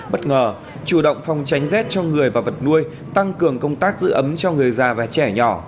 bất ngờ chủ động phòng tránh rét cho người và vật nuôi tăng cường công tác giữ ấm cho người già và trẻ nhỏ